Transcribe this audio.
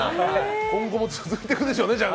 今後も続いていくでしょうね。